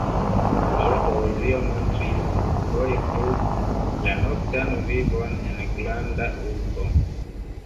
Lia poezio montris, foje krude, la noktan vivon en granda urbo.